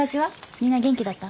みんな元気だった？